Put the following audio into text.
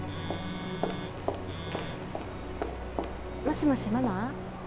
もしもしママ？